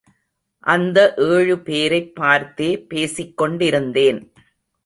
அந்த ஏழு பேரைப் பார்த்தே பேசிக் கொண்டிருந்தேன்.